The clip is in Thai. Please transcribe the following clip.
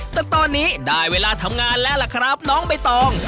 แต่ตอนนี้ได้เวลาทำงานแล้วล่ะครับน้องใบตอง